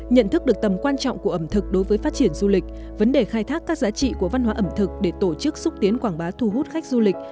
nhận thức được tầm quan trọng của ẩm thực đối với phát triển du lịch vấn đề khai thác các giá trị của văn hóa ẩm thực để tổ chức xúc tiến quảng bá thu hút khách du lịch